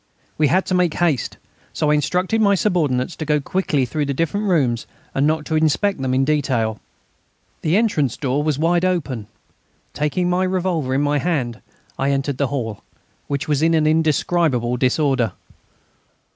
We had to make haste, so I instructed my subordinates to go quickly through the different rooms and not to inspect them in detail. The entrance door was wide open. Taking my revolver in my hand, I entered the hall, which was in indescribable disorder.